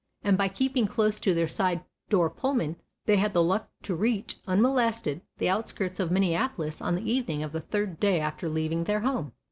and by keeping close to their side door Pullman they had the luck to reach, unmolested, the outskirts of Minneapolis on the evening of the third day after leaving their home.